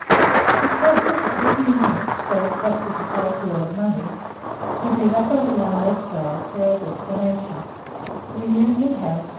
It took us but a few minutes, though it cost us a good deal of money, to be rattled along West Street to our destination: 'Reunion House, No.